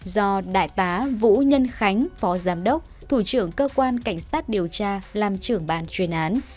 do đại tá vũ nhân khánh phó giám đốc thủ trưởng cơ quan cảnh sát điều tra làm trưởng bàn chuyên án